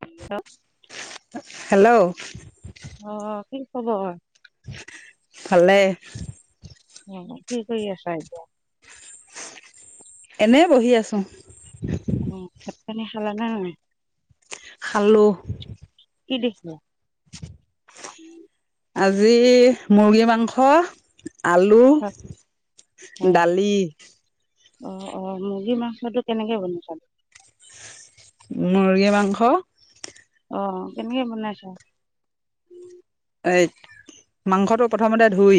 Hello hello কি হ'ব অ। ভালে কি কৰি আছা এতিয়া এনে বহি আছো [unintelligible] খাল নাই খালো কি দেখি আজি মুৰ্গী মাংস আলু হয় হয় দালি অ অ মুৰ্গী মাংসটো কেনেকে বনাইছা মূগী মাংস অ কেনেকে বনাইছা এই মাংসটো প্ৰথমতে ধুই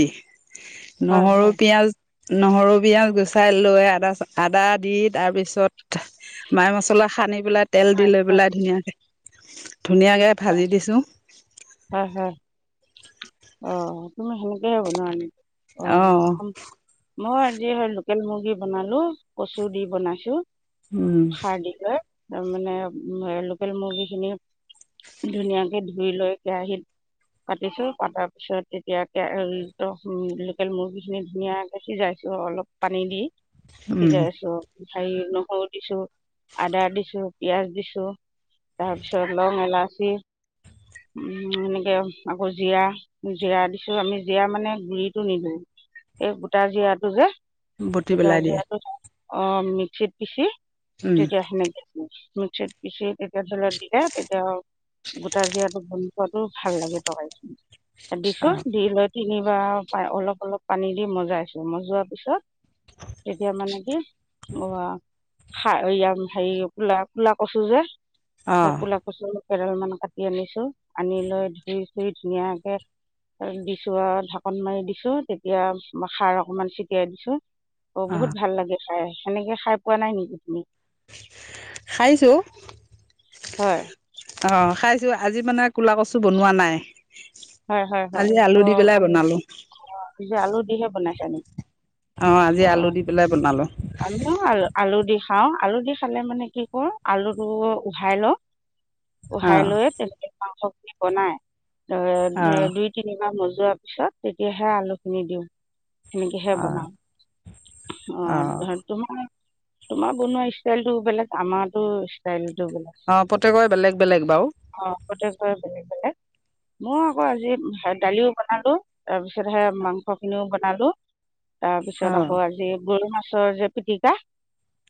হয় নহৰু হয় পিয়াজ নহৰু পিয়াজ গুচাই লৈ আদা আদা দি তাৰ পিছত মাই মছলা সানি পেলাই তেল দি হয় লৈ হয় পেলাই ধুনীয়াকে ধুনীয়াকৈ ভাজি দিছোঁ হ অ তুমি সেনেকে বনোৱা নেকি অ অহ মই আজি হয় লোকেল মুৰ্গী বনালো কচু দি বনাইছো উম তাৰ মানে লোকেল মুৰ্গী খিনি ধুনীয়াকে ধুই লৈ আহিল পাতিছো পাতাৰ পিছত তেতিয়া কে লোকেল মুৰ্গী খিনি ধুনীয়াকে সিজাইছো অলপ পানী দি উম সিজাই আছো হেৰি নহৰু দিছো আদা দিছো পিয়াজ দিছো তাৰপিছত লং এলাচি সেনেকে আকৌ জিৰা জিৰা দিছো আমি জিৰা মানে গুৰিটো নিদিওঁ এই গোটা জীৰাটো যে বটি গোটা পেলাই দিয়ে জিৰাটো অ মিক্সিত পিচি উম তেতিয়া সেনেকে মিক্সিত পিচি তেতিয়া ধৰি লয় দিলে তেতিয়া গোটা জিৰাটো ভাল লাগে তকাৰিখিনি অ দিছো দি লৈ তিনিবাৰ অলপ অলপ পানী দি মজাইছো মজোৱাৰ পিছত এতিয়া মানে কি অ হেৰি কুলা কুলা কছো যে অ কুলা কচু কেডাল মান কাটি আনিছো আনি লৈ ধুই ধুই ধুনীয়াকে দিছো আৰু ঢাকন মাৰি দিছো তেতিয়া খাৰ অকনমান ছিটিয়াই দিছো অ বহুত ভাল লাগে খাই সেনেকে খাই পোৱা নাই নেকি তুমি খাইছোঁ হয় অ খাইছো আজি মানে কুলা কচু বনোৱা নাই হয় হয় হয় আজি আলু অ দি পেলাই বনালো। আলু দিহে বনাইছা নেকি অ আজি আলু অঁ দি পেলাই বনালো আলু আলু দি খাওঁ আলু দি খালে মানে কি কৰো আলুটো উহাই লওঁ উহাই অ' লৈ তেনেকে মাংসখিনি বনাই অ' দুই তিনিবাৰ মজ যোৱাৰ পিছত তেতিয়াহে আলু খিনি দিওঁ সেনেকেহে অ' বনাওঁ আহ অ' তোমাৰ বনোৱা ষ্টাইল টো বেলেগ আমাৰো ষ্টাইল অ প্ৰতেয়েকৰে বেলেগ বেলেগ বাৰু গট গৈ বেলে বলে মই আকৌ আজি দালিও বনালো তাৰ পিছত হে মাংস খিনিও বনালো তাৰপিছত অ' আকৌ আজি গৰৈ মাছৰ যে পিটকাা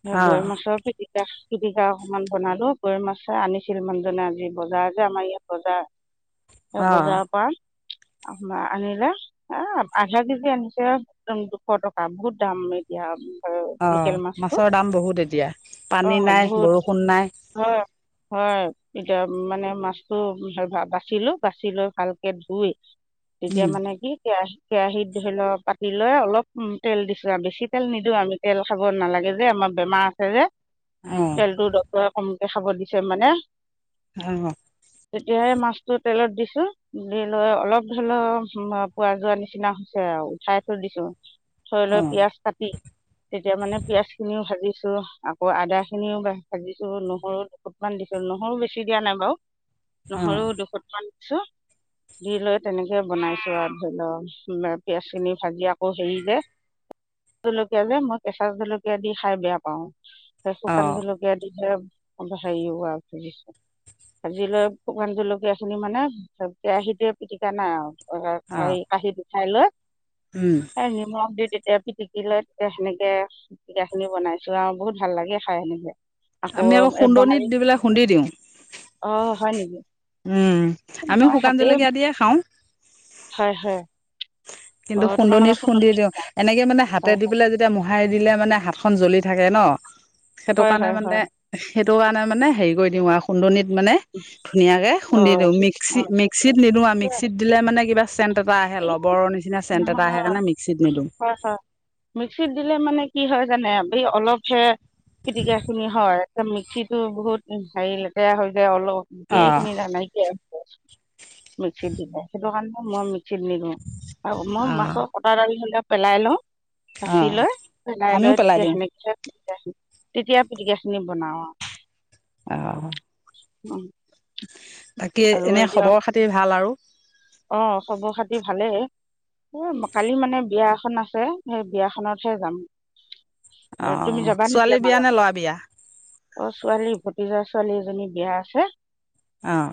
সেই গৰৈ অ' মাছৰ পিটিকা পিটিকা অকমান বনালো গৈ মাছ আনিছিল মানুজনে আজি বজাৰ আ যে আমাৰ ইয়াত বজাৰ এ বজাৰৰ পৰা উ আনিলে এ আধা কেজি আনিছে একদম দুশ টকা বহুত দাম এতিিয়য়া অ মাছৰ দাম বহুত এতিয়া পানী অঁ নাই বহুত বৰষুণ নাই হয় হয় এতিয়া মানে মাছটো বাচিলো বাচি লৈ ভালকে ধুই তেতিয়া উম, মানে কি কেহ কেৰাহিত ধৰি লও পাতি লৈ অলপ উ তেল দিছো আৰু বেছি তেল নিদি আমি তেল খাব নালাগে যে আমাৰ বেমাৰ আছে যে অ' তেলটো ডৰে ক দেখাব দিছে মানে আহ তেতিয়াই মাছটোো তেলত দিছো দি লৈ অলপ ধৰি লও পোৱা যোৱা নিচিনা হৈছে উঠাই থৈ দিছো থৈ লৈ অ' পিয়াজ কাটি তেতিয়া মানে পিয়াজ খিনিও ভাজিছো আকৌ আদা খিনিও ভাজিছো নহৰু দুফুটমানান দিছিলো নহৰু বেছি দিয়া নাই বাৰু নহৰু অ' দুশ টকাান দিছো দি লৈ তেনেকে বনাইছো আৰু ধৰি লওক পিয়ঁয়াজ খিনি ভাজি আকৌ হেৰি যে জলকীয়া যে মই কেঁচা জলকীয়া দি খাই বেয়া পাও শুকান অ' জলকীয়া দি হ হেছেজিছ ভাজি লৈ শুকান জলকীয়া খিনি মানে কেৰাহীতেে পিটিকা নাই আৰু অ' কহি পিঠাই লৈ উম, নিমখ দি তেতিয়া পিটিকি লৈ সেনেকে পিকা খিনি বনাইছো আৰু বহুত ভাল লাগে খাই সনেকে আকৌ আমি এ খুন্দনিত বঙালী দি পেলাই খুন্দি দিওঁ। আহ হয় নেকি উম, আমি মই শুকান হাতে জলকীয়া দিয়ে খাওঁ। হয় হয় কিন্তু অঁ তোমালোকে খুন্দনিত খুন্দি সোণনি দিওঁ এনেকে মানে হাতে হয় দি পেলাই যেতিয়া মোহাৰি দিলে মানে হা খখন জ্বলি থাকে ন সেইটো হয় কাৰণে হয় মানে হয় সেইটো কাৰণে মানে হেৰি কৰি দিওঁ আৰু খুন্দনত মানে ধুনীয়াকে খুন্দি অঁ দিওঁ ঠিক মিক্সি অঁ ঠিকে মিক্সিত নিদিো আৰু মিক্সিত আছে দিলে মানে কিবা পেট এটা আহে এই ল'ৰ নিচনা হয় হয় মিক্সিত দিলে মানে কি হয় জানে এই অলপহে খিতিকা শুনি হয় মিক্সি টো বহুত হেৰি লেতেৰা হৈ যায় অলপ অ গোটেই খিনি নাইকিয় মিক্সিত দিলে সেইটো কাৰণে মই মিক্স চিডনি দিওঁ আৰু মই মাছৰ কটা দালি স পেলাই লওঁ অ বাচি লৈ পেলাই আমিও লৈ তেতিয়া দিওঁ সেনেকে তেতিয়া পিটিকা খিনি বনাও আৰু আহ উম বাকী এনে খবৰ খাতি ভাল আৰু অ খবৰ খাতি ভালেই কালি মানে বিয়া এখন আছে সেই বিয়াখনতহে যাম অ ম তুমি যাবা নেকি ছোৱালী বিয়া আমাল অ নে ল'ৰা বিয়া ছোৱালী ভতিজা ছোৱালী এজনী বিয়া আছে আহঁ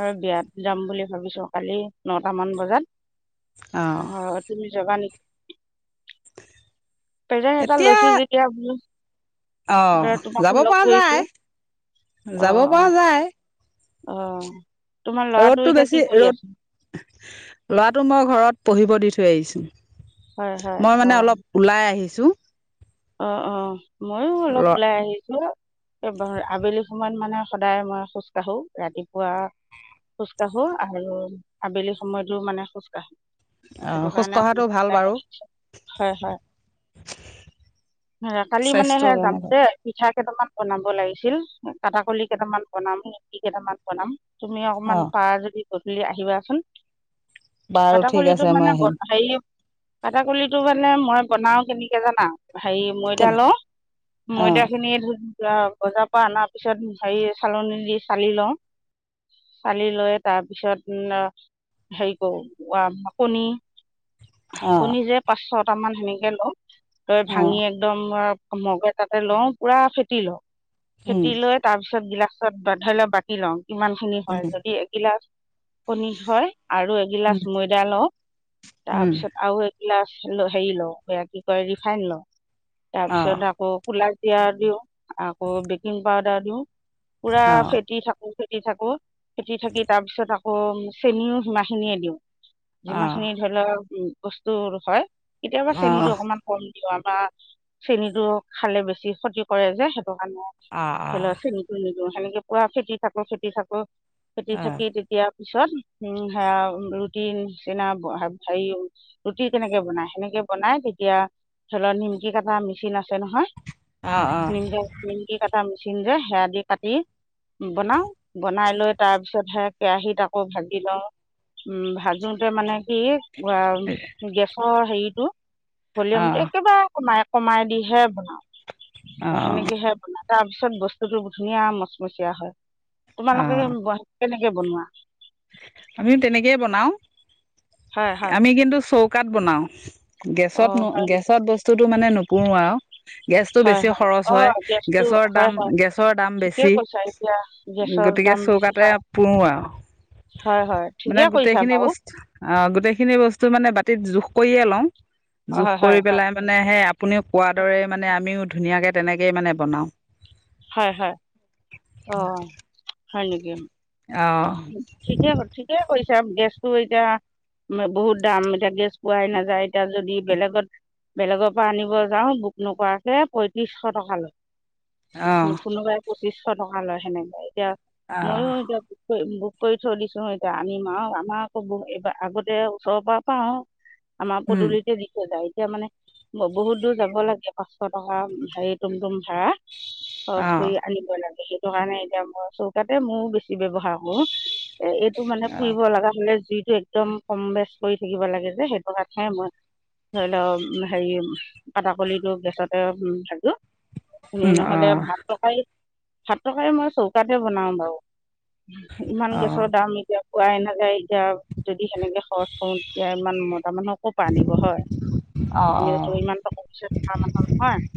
আৰু বিয়াত যাম বুলি ভাবিছো কালি নটা মান বজাত অ তুমি যাবা নেকি পেজা সজটা এতিয়া লৈছো যেতিয়া বোলো অ তোমাকো যাব লগ পৰা ধৰিছো যায় অ যাব পৰা অ আহ ৰ'দতটো বেছি ৰ'দ লৰাটো মই ঘৰত পঢ়িব দি থৈ আহিছো হয় হয় মই মানে অলপ ওলাই আহিছো অ অ ময়ো অলপ ওলাই আহিছো আবেলি সময়ত মানে সদায় মই খোজ কাঢ়ো ৰাতিপুৱা খোজ কাঢ়ো আৰু আবেলি সময়তো মানে খোজ কাঢ়ো সেইটো খোজ কাৰণে কঢ়াটো অকমান ভাল বাৰু হয় হয় কালি মানে সে স্বাস্থ্যৰ যাম কাৰণে ভাল দে পিঠা কেইটামান বনাব লাগিছিল কাটা কলি কেইটামান বনাম নিমকি কেইটামান বনাম তুমি অকমান অঁ পাৰ যদি গধূলি আহিবাচোন বাৰু কটা ঠিক কলিটো আছে মই মানে আহিম হেৰি কাটাকলিটো মানে মই বনাও কেনেকে জানা হেৰি ময়দা কেনে লওঁ অঁ ময়দাখিনি বজাৰ পৰা অনাৰ পিছত হেৰি চালনী দি চালি লওঁ চালি লৈ তাৰপিছত হেৰি কৰো কণী অঁ কণী যে পাঁচ ছটামান সেনেকে ল তই অঁ ভাঙি একদম মগৈ তাতে লওঁ পুৰা খেট লওঁ অঁ খেটি লৈ তাৰ পিছত গিলাচ পাছত ধৰি ল বাাকতি লওঁ কিমান খিনি হয় যদি এগিলাচ কণী হয় আৰু এগিলাচ ময়দা লওঁ তাৰপিছত আৰু গিলাচ হেৰি লওঁ কি কয় ৰিফাইন লওঁ তাৰ পিছত আকৌ দিও আকৌ বেকিং পাউদাৰ দিও পুৰা ফেটি থাকো ফেটি থাকো ফেটি থাকি তাৰ পিছত আকৌ চেনিও সিমা খিনিয়ে দিওঁ অঁ যিমান অঁ খিনি ধৰি লওক বস্তু হয় কেতিয়াবা চেনীটো অকমান বা চেনীতটো খালে বেছি ক্ষতি কৰে যে স চেনিটো নিদি সেনেকে পুৱা ফেটি থাকো ফেটি থাকো ফেতি থাকি তেতিয়া পিছত উম সে ৰুটি নিচিনা হেৰি ৰুটি কেনেকে বনাই সেনেকে বনাই তেতিয়া ধ লক নিমকি কটা মেচিন আছে নহয় অঁ অঁ অঁ অঁ নিমকা নিমকি কটা টা মেচিন যে সেয়া দি কাটি বনাও বনাই লৈ তাৰপিছতহে কেৰাহীত আকৌ ভাজি লওঁ উম ভাজোতে মানে কি অ গেছৰ হেৰিতটো ভলিউম অঁ টো একেবাৰে কমাই কমাই দিহে অঁ বনাওঁ অঁ সনেকেহে বনাাই তাৰ পিছত বস্তুতটো ধুনীয়া মচমচীয়া হয় অঁ তোমালোকে কে বনোৱা আমিও তেনেকয় বনাওঁ হয় হয় আমি কিন্তু চৌকাত বনাওঁ গেছত অঁ ন হয় নেকি গেছত বস্তুতটো মানে নুপুৰো আৰু গেছতটো হয় বেছি খৰচ হয় অঁ গেছটো গেছৰ হয় দাম হয় গেছৰ দাম ঠিকেই বেছি কৈছা এতিয়া গেছৰ গতিকে দাম বেছি চৌকাতে হয় পুৰোঁ আৰু হয় হয় মানে ঠিকেই কৰিছা গোটেইখিনি বাৰু বস্তু আহ গোটেইখিনি বস্তু মানে বাতিত জোখ কৰিয়ে লওঁ জোখ হয় হয় কৰি হয় পেলাই মানে সেই আপুনি কোৱাৰ দৰে মানে আমিও ধুনীয়াকৈ তেনেকেই মানে বনাওঁ হয় হয় অ হয় নেকি অ ঠিকে ঠিকে কৈছা গেছটো এতিয়া বহুত দাম এতিয়া গেছ পোৱাই নাযায় এতিয়া যদি বেলেগত বেলেগৰ পৰা আনিব যাও বুক নকৰাকে পয়ত্ৰিশ টকা লৈ অ কোনোবাই পঁচিশ টকা লয় সেনেকে এতিয়া অ মইো এতিয়া বুক কৰি থৈ দিছো এতিয়া আনিম আৰু আমাৰ আকৌ এইবাৰ আগতে ওচৰৰ পৰা পাও আমা উম পদূলিটে দিথৈ যায় এতিয়া মানে বহুত দূৰ যাব লাগে পাঁচশ টকা হেৰি তুম তুম ভাড়া খৰচ অ কৰি আনিব লাগে, সেইটো কাৰণে এতিয়া মই চৌকাতে মোৰো বেছি ব্যৱহাৰ উ, এইটো মানে অ পুৰিব লগা হ'লে জুইটো একদম কম বেচ কৰি থাকিব লাগে যে, সেইটো কথে মই, ধৰি লওঁক হেৰি কটাকলিটো গেছতে ভাজো এনে উম অ ন'হলে ভাত-তৰকাৰী ভাত - তৰকাৰী মই চৌকাতে বনাওঁ বাৰু, ইমান অ গেছৰ দাম এতিয়া। কোৱাই নাযায় এতিয়া যদি সেনেকে খৰচ কৰোঁ, তেতিয়া ইমান মতা মানুহ ক' ৰ পৰা আনিব হয় অ অ আমিওটো ইমান টকা-পইচা থকা মানুহ নহয়,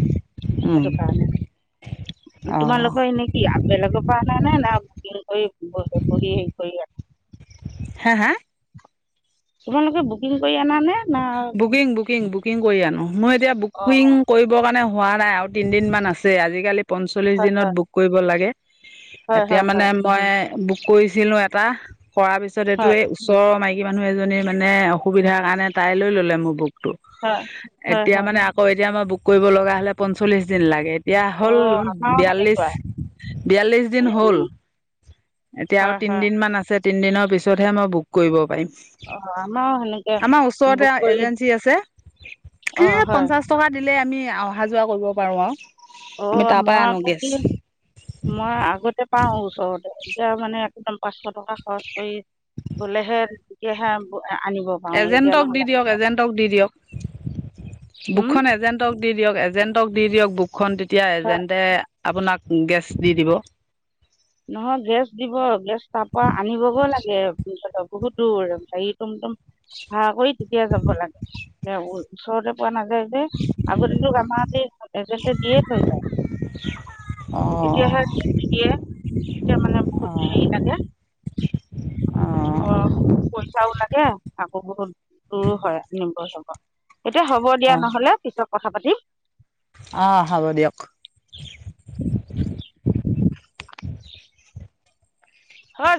উম সেইটোকাৰণে অ তোমালোকৰ এনেকি আপেলগৰ পৰা অনা নাই না বহি বহি হেৰি কৰি আছে হা হা তোমালোকে বুকিং কৰি আনা নে? না বুকিং বুকিং বুকিং কৰি আনো মই এতিয়া বুকিং অঁ কৰিবৰ কাৰণে হোৱা নাই আৰু তিনদিন মান আছে আজিকালি পঞ্চল্লিশ হয় হয় দিনত বুক কৰিব লাগে। হয়, এতিয়া হয়, মানে হয়, মই বুক কৰিছিলোঁ এটা কৰা পিছত এইটো হয়, এই ওচৰৰ মাইকী মানুহ এজনী মানে অসুবিধাৰ কাৰণে তাই লৈ ল'লে মোৰ বুক হয়, হয়, এতিয়া হয়। মানে আকৌ এতিয়া মই বুক কৰিব লগা হ'লে পঞ্চল্লিশ দিন লাগে। বিয়া হ'ল অ', আমাৰো বিয়াল্লিশ, সেনেকুৱা। বিয়াল্লিশ দিন হ'ল। উম, এতিয়া হয়, আৰু হয়। তিনদিনমান আছে, তিনদিনৰ পিছতহে মই বুক কৰিব পাৰিম। অ আমাৰো সেনেকে আমাৰ ওচৰতে বুক কৰি এজেন্সী আছে, অ', সেই হয়। পঞ্চাছ টকা দিলে আমি অহা যোৱা কৰিব পাৰোঁ আৰু আমি অ' তাৰ পৰাই মই আনো আকৌ গেছ কি মই আগতে পাওঁ ওচৰতে, এতিয়া মানে পাঁচশ টকা খৰচ কৰি গ'লেহে তেতিয়াহে আনিব পাৰো এতিয়া এজেণ্টক দি নহ'লে দিয়ক, এজেণ্টক দি দিয়ক, উম, বুকখন এজেণ্টক দি দিয়ক, এজেন্টক দি দিয়ক, বুকখন তেতিয়া হয়। এজেন্টে আপোনাক গেছ দি দিব। নহয় গেছ দিব, গেছ তাৰ পৰা আনিবগৈ লাগে বহুত দূৰ গাড়ী তুমতম ভাড়া কৰি তেতিয়া যাব লাগে, ওচৰতে পোৱা নায আগতেটো আমাৰ সেই এজেন্সীয়ে দিয়ে থৈ যায়। অ এতিয়াহে দিয়ে। এতিয়া মানে অ বহুত হেৰি লাগে, পইচা লাগে আকৌ বহুত দূৰো হয়, নিব যাব, এতিয়া হ'ব অ দিয়া নহলে পিছত কথা পাতিম। অ' হ'ব দিয়ক। [inaudible] হয়।